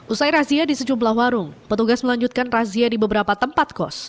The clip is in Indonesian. usai razia di sejumlah warung petugas melanjutkan razia di beberapa tempat kos